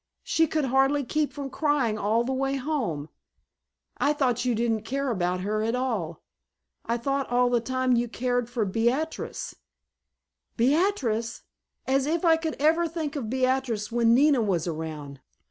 She could hardly keep from crying all the way home. I thought you didn't care about her at all. I thought all the time you cared for Beatrice——" "Beatrice! As if I could ever think of Beatrice when Nina was around!